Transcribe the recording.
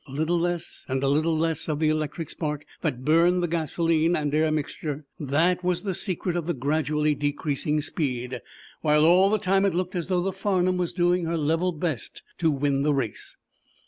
A little less, and a little less, of the electric spark that burned the gasoline and air mixture—that was the secret of the gradually decreasing speed, while all the time it looked as though the "Farnum" was doing her level best to win the race.